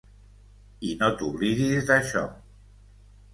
I no t'oblidis d'això.